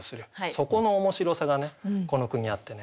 そこの面白さがねこの句にあってね